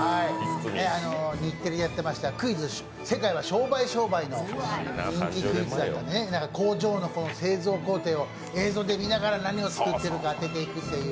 日テレでやってました「クイズ世界はＳＨＯＷｂｙショーバイ！！」の人気クイズで工場の製造工程を映像で見ながら何を作っているか当てていくという。